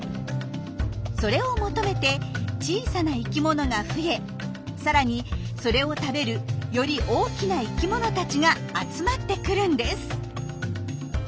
それを求めて小さな生きものが増えさらにそれを食べるより大きな生きものたちが集まってくるんです。